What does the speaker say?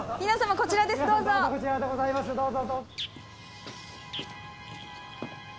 こちらですどうぞ。